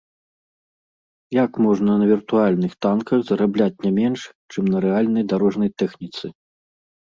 Як можна на віртуальных танках зарабляць не менш, чым на рэальнай дарожнай тэхніцы?